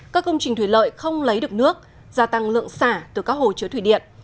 các công trình thủy lợi không lấy được nước gia tăng lượng xả từ các hồ chứa thủy điện